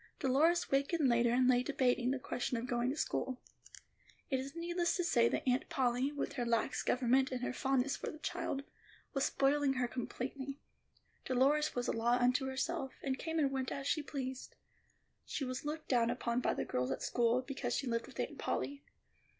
Dolores wakened later and lay debating the question of school. It is needless to say that Aunt Polly, with her lax government and her fondness for the child, was spoiling her completely. Dolores was a law unto herself, and came and went as she pleased. She was looked down upon by the girls at school, because she lived with Aunt Polly.